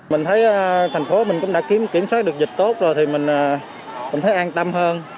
mình thấy thành phố mình cũng đã kiểm soát được dịch tốt rồi thì mình thấy an tâm hơn